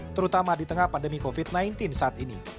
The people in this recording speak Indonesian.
terutama di tengah pandemi covid sembilan belas saat ini